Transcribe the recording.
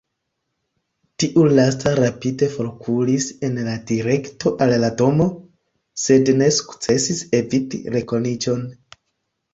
Tiu lasta rapide forkuris en direkto al la domo, sed ne sukcesis eviti rekoniĝon.